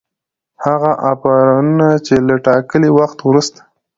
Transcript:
هغه آفرونه چي له ټاکلي وخته وروسته